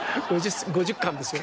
５０巻ですよ。